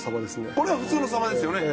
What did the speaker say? これは普通のサバですよね。